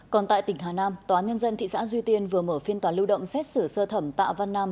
còn tại tỉnh hà nam tòa nhân dân thị xã duy tiên vừa mở phiên tòa lưu động xét xử sơ thẩm tạ văn nam